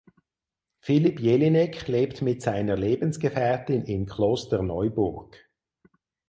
Philipp Jelinek lebt mit seiner Lebensgefährtin in Klosterneuburg.